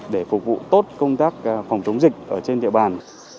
để phục vụ tốt công tác phòng chống dịch ở trên địa bàn